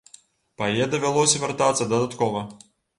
Па яе давялося вяртацца дадаткова.